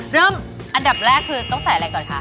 เริ่มอันดับแรกคือต้องใส่อะไรก่อนคะ